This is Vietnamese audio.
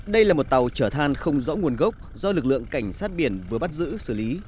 đây là một tàu chở than không rõ nguồn gốc do lực lượng cảnh sát biển vừa bắt giữ xử lý